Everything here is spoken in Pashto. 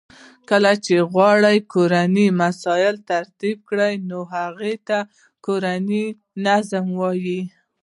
کله چی وغواړو کورنی مسایل ترتیب کړو نو هغه ته کورنی نظام وای .